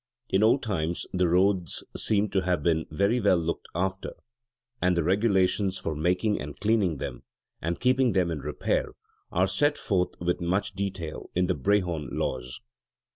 In old times the roads seem to have been very well looked after: and the regulations for making and cleaning them, and keeping them in repair, are set forth with much detail in the Brehon Laws.